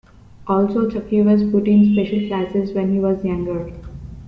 Also, Chucky was put in special classes when he was younger.